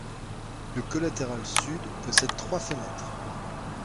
Le collatéral sud possède trois fenêtres.